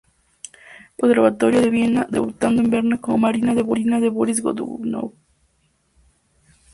Estudió en el Conservatorio de Viena debutando en Berna como Marina de Borís Godunov.